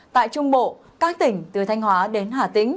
tại trung bộ các tỉnh từ thanh hóa đến hà tĩnh